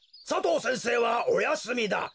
佐藤先生はおやすみだ。